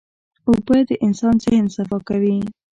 اوبه د انسان ذهن صفا کوي.